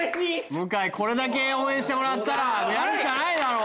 向井これだけ応援してもらったらやるしかないだろ？